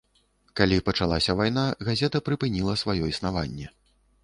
Калі пачалася вайна, газета прыпыніла сваё існаванне.